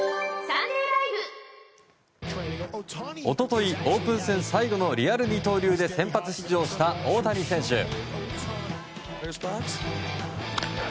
一昨日、オープン戦最後のリアル二刀流で先発出場した大谷選手。